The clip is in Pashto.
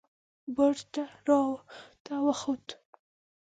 برج ته وخوت.